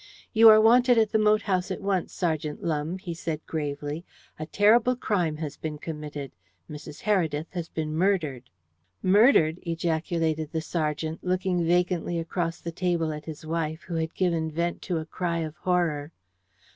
"You are wanted at the moat house at once, Sergeant Lumbe," he said gravely. "A terrible crime has been committed. Mrs. Heredith has been murdered." "Murdered!" ejaculated the sergeant, looking vacantly across the table at his wife, who had given vent to a cry of horror.